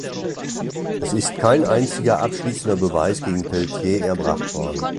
Es ist kein einziger abschließender Beweis gegen Peltier erbracht worden.